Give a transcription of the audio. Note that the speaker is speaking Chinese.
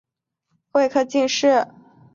万历三十八年登庚戌科进士。